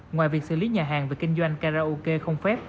ngoài việc xử lý nhà hàng về kinh doanh karaoke không phép